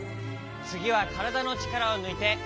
つぎはからだのちからをぬいてゆらすよ。